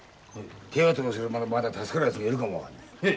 手当てをすりゃまだ助かるやつがいるかも分かんねえ。